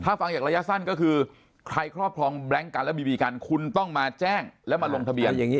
ถ้าฟังจากระยะสั้นก็คือใครครอบครองแบล็งกันแล้วบีบีกันคุณต้องมาแจ้งแล้วมาลงทะเบียน